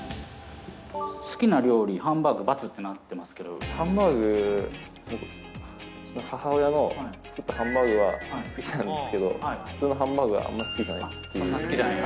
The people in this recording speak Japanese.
好きな料理、ハンバーグ、ハンバーグ、ちょっと母親の作ったハンバーグは好きなんですけど、普通のハンバーグは、好きじゃない？